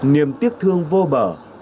niềm tiếc thương vô bở